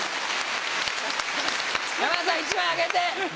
山田さん１枚あげて！